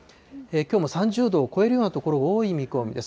きょうも３０度を超えるような所、多い見込みです。